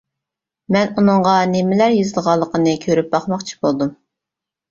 مەن ئۇنىڭغا نېمىلەر يېزىلغانلىقىنى كۆرۈپ باقماقچى بولدۇم.